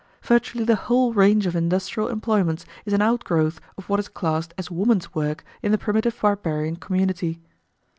Virtually the whole range of industrial employments is an outgrowth of what is classed as woman's work in the primitive barbarian community.